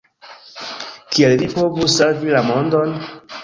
Kiel vi povus savi la mondon?